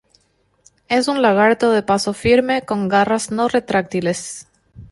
Es un lagarto de paso firme con garras no retráctiles.